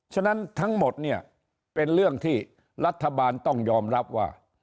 ฉะนั้นทั้งหมดเนี่ยเป็นเรื่องที่รัฐบาลต้องยอมรับว่า